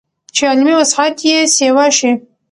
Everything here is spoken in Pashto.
چې علمي وسعت ئې سېوا شي